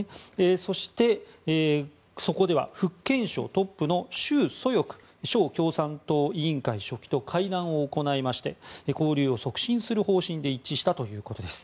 そして、そこでは福建省トップのシュウ・ソヨク省共産党委員会書記と会談を行いまして交流を促進する方針で一致したということです。